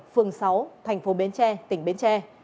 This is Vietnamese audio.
phường sáu tp bến tre tỉnh bến tre